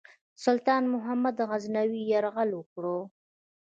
سلطان محمود غزنوي یرغل وکړ.